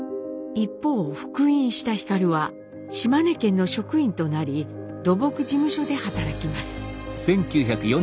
一方復員した皓は島根県の職員となり土木事務所で働きます。